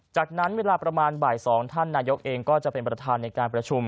จากนั้นเวลาประมาณบ่าย๒ท่านนายกเองก็จะเป็นประธานในการประชุม